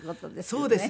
そうですね。